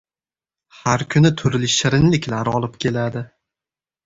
Har kuni turli shirinliklar olib keladi.